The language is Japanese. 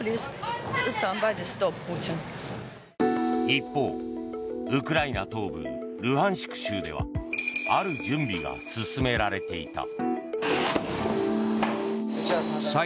一方ウクライナ東部ルハンシク州ではある準備が進められていた。